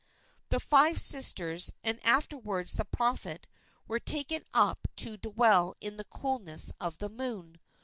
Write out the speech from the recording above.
The five sisters, and afterwards the prophet, were taken up to dwell in the coolness of the moon.